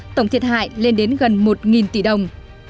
tổng thiệt hại lên đến gần một tỷ đồng